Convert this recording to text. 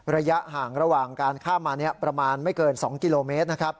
ระยะห่างระหว่างการข้ามมาประมาณไม่เกิน๒กิโลเมตรนะครับ